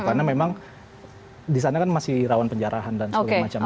karena memang di sana kan masih rawan penjarahan dan segala macamnya